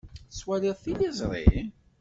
Tettwaliḍ tiliẓri?